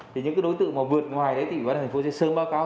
thì những cái đối tượng mà vượt ngoài đấy thì ủy ban thành phố sẽ sớm báo cáo